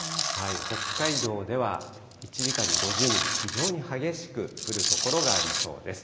北海道では１時間に５０ミリ、非常に激しく降る所がありそうです。